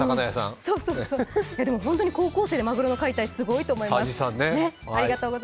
でも高校生でまぐろの解体、すごいと思います。